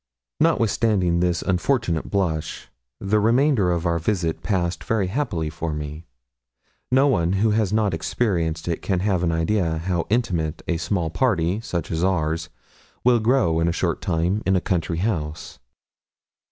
Notwithstanding this unfortunate blush, the remainder of our visit passed very happily for me. No one who has not experienced it can have an idea how intimate a small party, such as ours, will grow in a short time in a country house.